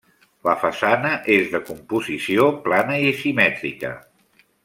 La façana és de composició plana i simètrica.